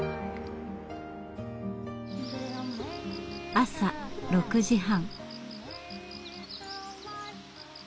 朝６時半。